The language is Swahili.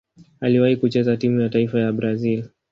Aliwahi kucheza timu ya taifa ya Brazil.